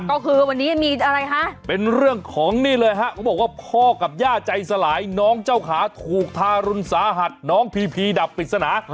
ก็คือวันนี้มีอะไรคะเป็นเรื่องของนี่เลยฮะเขาบอกว่าพ่อกับย่าใจสลายน้องเจ้าขาถูกทารุณสาหัสน้องพีพีดับปริศนา